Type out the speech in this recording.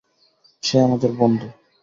সে আমাদের বন্ধু।